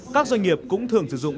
các doanh nghiệp cũng thường sử dụng